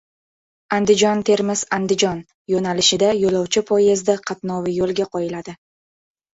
“Andijon-Termiz-Andijon” yo‘nalishida yo‘lovchi poyezdi qatnovi yo‘lga qo‘yiladi